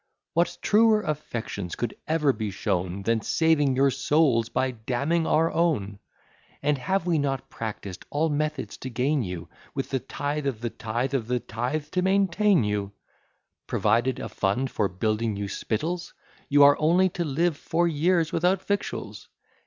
What truer affections could ever be shown, Than saving your souls by damning our own? And have we not practised all methods to gain you; With the tithe of the tithe of the tithe to maintain you; Provided a fund for building you spittals! You are only to live four years without victuals.